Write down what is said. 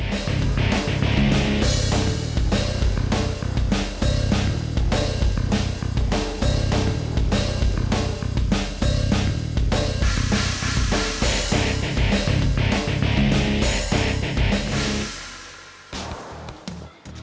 sampai jumpa lagi